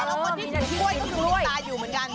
แล้วคนที่ช่วยก็คือติดตาอยู่เหมือนกัน